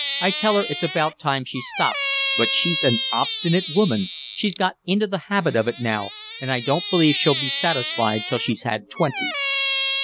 I tell her it's about time she stopped, but she's an obstinate woman, she's got into the habit of it now, and I don't believe she'll be satisfied till she's had twenty."